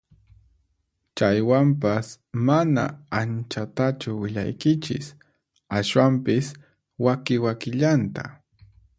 Chaywanpas mana anchatachu willaykichis ashwampis waki wakillanta